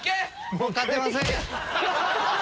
もう勝てません。